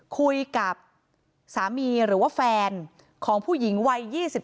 คุยกับสามีหรือว่าแฟนของผู้หญิงวัย๒๓